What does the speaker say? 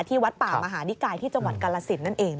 วัดป่ามหานิกายที่จังหวัดกาลสินนั่นเอง